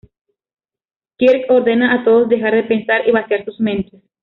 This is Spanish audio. Kirk ordena a todos dejar de pensar y vaciar sus mentes.